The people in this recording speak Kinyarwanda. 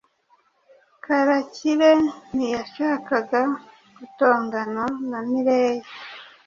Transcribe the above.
Karakire ntiyashakaga gutongana na Mireye.